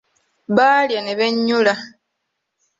Baalya ne bennyula.